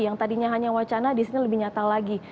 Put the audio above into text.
yang tadinya hanya wacana di sini lebih nyata lagi